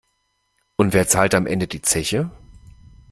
Und wer zahlt am Ende die Zeche?